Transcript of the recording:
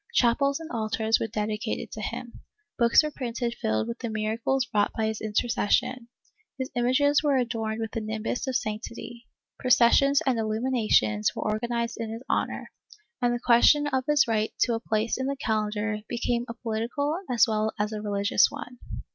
Chapels and altars were dedicated to him, books were printed filled with the miracles wrought by his intercession, his images were adorned with the nimbus of sanctity, processions and illuminations were organized in his honor, and the question of his right to a place in the calendar became a political as well as a religious one.